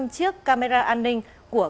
một trăm linh chiếc camera an ninh của